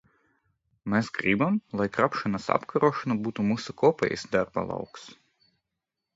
Mēs gribam, lai krāpšanas apkarošana būtu mūsu kopējais darba lauks.